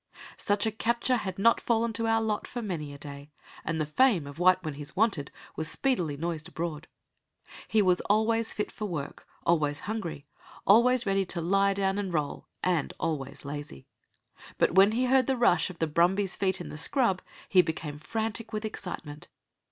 Such a capture had not fallen to our lot for many a day, and the fame of White when he's wanted was speedily noised abroad. He was always fit for work, always hungry, always ready to lie down and roll, and always lazy. But when he heard the rush of the brumbies' feet in the scrub he became frantic with excitement.